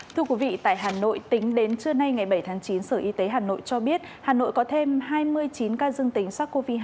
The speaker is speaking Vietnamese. thưa quý vị tại hà nội tính đến trưa nay ngày bảy tháng chín sở y tế hà nội cho biết hà nội có thêm hai mươi chín ca dương tính sars cov hai